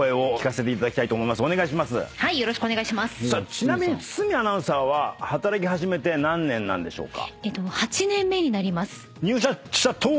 ちなみに堤アナウンサーは働き始めて何年なんでしょうか？